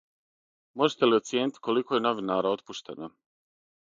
Можете ли оцијенити колико је новинара отпуштено?